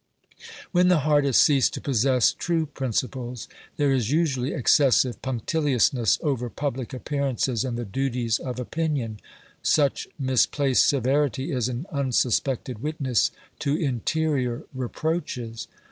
When the heart has ceased to possess true principles there is usually excessive punctiliousness over public appearances and the duties of opinion ; such misplaced severity is an unsuspected witness to interior reproaches.